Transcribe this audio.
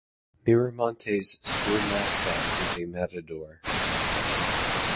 Miramonte's school mascot is a matador.